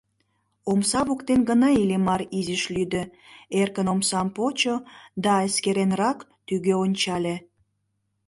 Омса воктен гына Иллимар изиш лӱдӧ, эркын омсам почо да эскеренрак тӱгӧ ончале.